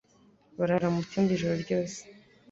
Barara mu cyumba ijoro ryose.